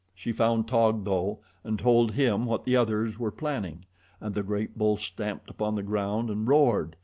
She found Taug, though, and told him what the others were planning, and the great bull stamped upon the ground and roared.